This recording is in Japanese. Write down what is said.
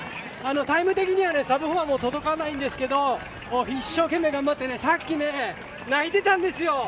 タイム的にはサブ４にはもう届きませんが一生懸命頑張ってさっき泣いてたんですよ